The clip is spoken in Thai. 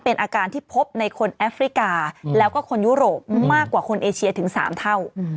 เป็นอาการที่พบในคนแอฟริกาแล้วก็คนยุโรปมากกว่าคนเอเชียถึง๓เท่า